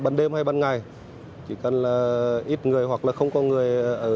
trộm thùng công đức